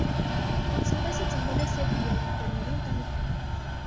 Գոնսալեսը ծնվել է Սևիլյայում ֆերմերի ընտանիքում։